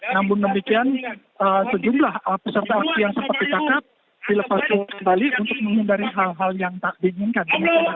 namun demikian sejumlah peserta aksi yang sempat ditangkap dilepaskan kembali untuk menghindari hal hal yang tak diinginkan